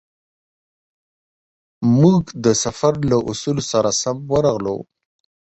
موږ د سفر له اصولو سره سم ورغلو.